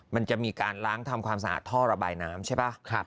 มันจะมีการล้างทำความสะอาดท่อระบายน้ำใช่ป่ะ